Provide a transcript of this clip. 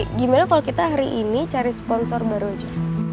gimana kalau kita hari ini cari sponsor baru aja